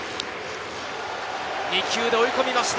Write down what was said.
２球で追い込みました。